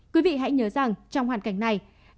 quý vị hãy nhớ rằng trong hoàn cảnh này